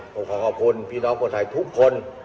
ผมขอขอบคุณพี่น้องคนไทยทุกคน